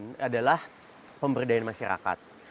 dan yang ketiga adalah pemberdayaan masyarakat